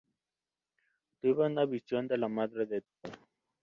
Tuvo una visión de la Madre de Dios.